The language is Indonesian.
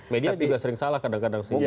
media juga sering salah kadang kadang sih